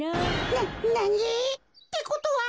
ななに？ってことは。